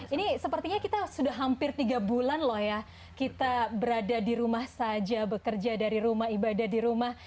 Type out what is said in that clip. ini sepertinya kita sudah hampir tiga bulan loh ya kita berada di rumah saja bekerja dari rumah ibadah di rumah